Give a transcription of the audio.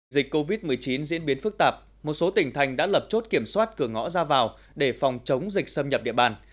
dịch covid một mươi chín diễn biến phức tạp một số tỉnh thành đã lập chốt kiểm soát cửa ngõ ra vào để phòng chống dịch xâm nhập địa bàn